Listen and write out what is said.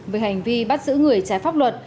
về hành vi bắt giữ người trái pháp luật